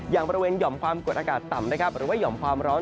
อย่างบริเวณหย่อมความกดอากาศต่ำนะครับหรือว่าห่อมความร้อน